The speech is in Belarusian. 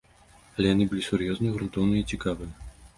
Але яны былі сур'ёзныя, грунтоўныя і цікавыя.